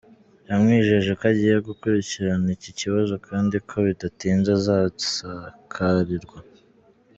Yamwijeje ko agiye gukurikirana iki kibazo kandi ko bidatinze azasakarirwa.